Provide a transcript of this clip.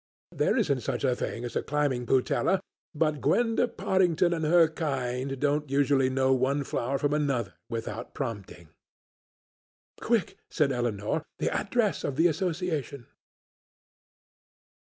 There isn't such a thing as a climbing putella, but Gwenda Pottingdon and her kind don't usually know one flower from another without prompting." "Quick," said Elinor, "the address of the Association."